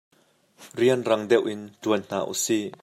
Rian rang deuhin ṭuan hna usih.